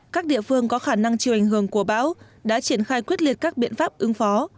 các địa phương có khả năng chịu ảnh hưởng của bão đã triển khai quyết liệt các biện pháp ứng phó